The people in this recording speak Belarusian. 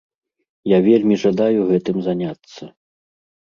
Я вельмі жадаю гэтым заняцца.